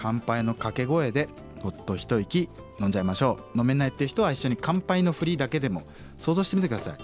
飲めないっていう人は一緒に乾杯のふりだけでも想像してみて下さい。